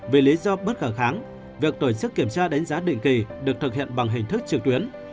vì lý do bất khả kháng việc tổ chức kiểm tra đánh giá định kỳ được thực hiện bằng hình thức trực tuyến